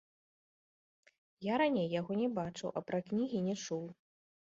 Я раней яго не бачыў, а пра кнігі не чуў.